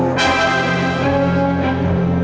ndra kamu udah nangis